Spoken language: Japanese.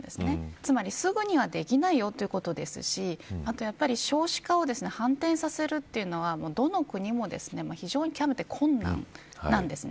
つまり、すぐにはできないよということですしやっぱり少子化を反転させるというのはどの国も非常に極めて困難なんですね。